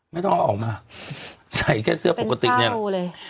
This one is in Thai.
ไม่ต้องเอาออกมาใส่แค่เสื้อปกติเนี่ยดูเลย